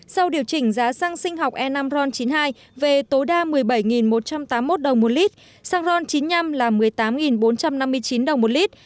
sau điều chỉnh giá xăng sinh học e năm ron chín mươi hai về tối đa một mươi bảy một trăm tám mươi một đồng một lít xăng ron chín mươi năm là một mươi tám bốn trăm năm mươi chín đồng một lít